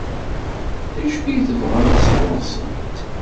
D acu i tebɣamt sɣur-sent?